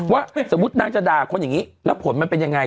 ว่าสมมุตินางจะด่าคนอย่างนี้แล้วผลมันเป็นยังไง